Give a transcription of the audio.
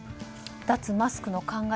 脱マスクの考え